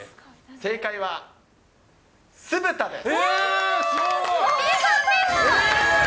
正解は、酢豚です。